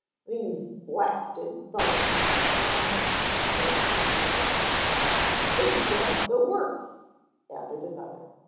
"These blasted bugs," one of them swore roundly. "They gummed the works," added another.